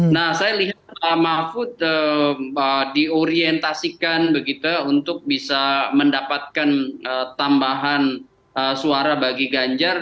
nah saya lihat pak mahfud diorientasikan begitu untuk bisa mendapatkan tambahan suara bagi ganjar